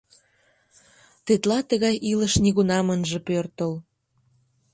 Тетла тыгай илыш нигунам ынже пӧртыл!